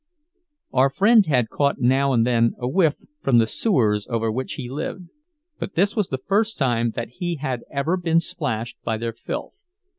Our friend had caught now and then a whiff from the sewers over which he lived, but this was the first time that he had ever been splashed by their filth.